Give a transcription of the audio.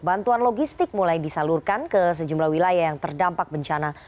bantuan logistik mulai disalurkan ke sejumlah wilayah yang terdampak bencana